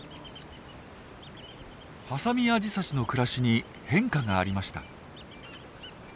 ハサミアジサシの暮らしに変化がありました。